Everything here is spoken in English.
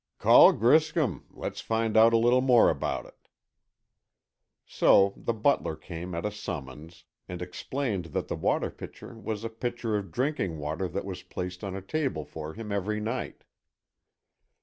"Call Griscom, let's find out a little more about it." So the butler came at a summons, and explained that the water pitcher was a pitcher of drinking water that was placed on a table for him every night.